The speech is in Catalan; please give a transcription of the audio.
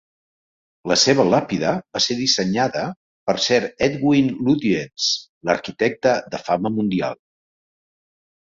La seva làpida va ser dissenyada per Sir Edwin Lutyens, l'arquitecte de fama mundial.